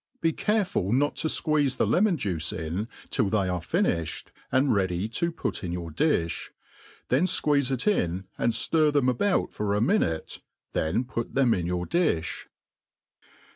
Be careful not to fqueeze the lemon* juice in till they are finiihed, and ready to put in your difh ; then fq^eeze if in, and fiir them about for a minute,, then put them in your di(h.